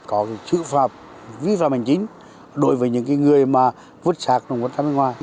có chữ phạm ví phạm hành chính đối với những người vứt sạc động vật ra bên ngoài